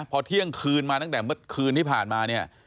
พอเที่ยงคืนมาตั้งแต่เมื่อคืนที่ผ่านมาเนี่ย